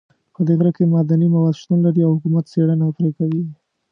په دې غره کې معدني مواد شتون لري او حکومت څېړنه پرې کوي